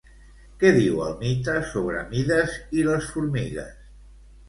Què diu el mite sobre Mides i les formigues?